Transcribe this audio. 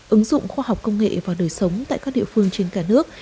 ứng dụng khoa học công nghệ vào đời sống tại các địa phương trên cả nước